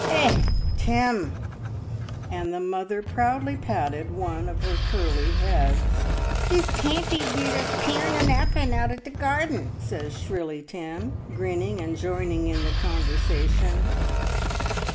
Eh! Tim!" And the mother proudly patted one of her curly heads. "Miss Tempy gied us pearrn and applen out o' t* garrden," says shrilly Tim, grinning and joining in the conversation.